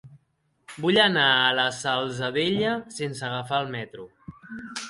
Vull anar a la Salzadella sense agafar el metro.